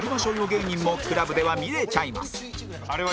芸人も ＣＬＵＢ では見れちゃいます